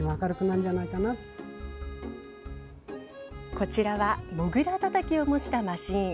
こちらはモグラたたきを模したマシン。